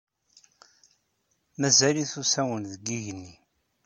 Mazal-it usawen deg yigenni.